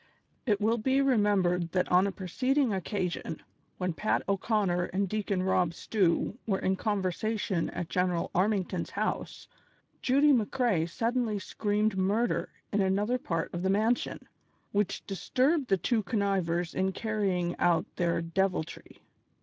|T will be remembered, that on a preceding occa sion, when Pat O 'Conner and Deacon Rob Stew were in conversation at General Armington's house, Judy McCrea suddenly screamed murder in another part of the mansion, which disturbed the two connivers in carrying out their deviltry.